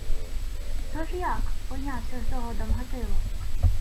— Тож як? — пойнявся здогадом Гатило.